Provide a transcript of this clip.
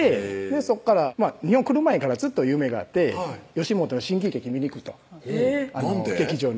そこから日本来る前からずっと夢があって吉本新喜劇見に行くとなんで？